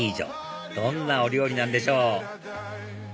どんなお料理なんでしょう？